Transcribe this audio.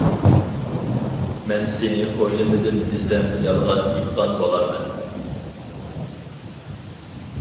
مەن سېنى ئويلىمىدىم دېسەم يالغان ئېيتقان بولارمەن.